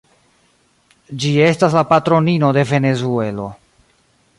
Ĝi estas la patronino de Venezuelo.